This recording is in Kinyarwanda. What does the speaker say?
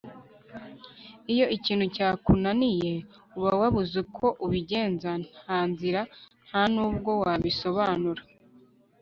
iyo ikintu cyakunaniye uba wabuze uko ugenza ntanzira nta n'uburyo wabisobanura